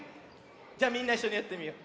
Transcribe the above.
じゃみんないっしょにやってみよう。